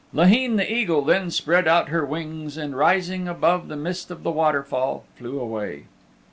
Laheen the Eagle then spread out her wings and rising above the mist of the waterfall flew away.